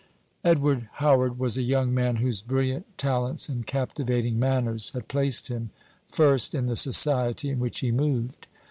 Edward Howard was a young man whose brilliant talents and captivating manners had placed him first in the society in which he moved.